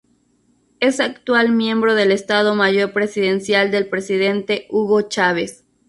Es actual miembro del Estado Mayor Presidencial del presidente Hugo Chávez.